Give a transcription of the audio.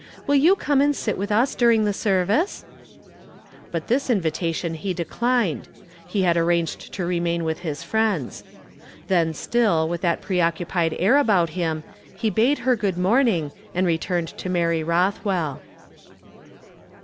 Will you come and sit with us duiing the service ?" liut this invitation he declined ; he had arranged to remain with his friends. Then still with that preoccupied air about him he bade her good morn ing, and returned to Mary Uothwell.